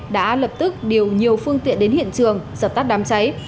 đã lập tức điều nhiều phương tiện đến hiện trường dập tắt đám cháy